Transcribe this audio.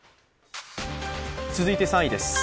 続いて３位です